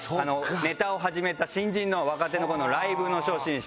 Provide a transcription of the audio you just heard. ネタを始めた新人の若手のライブの初心者。